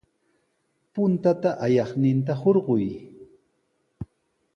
Puntata ayaqninta hurqay.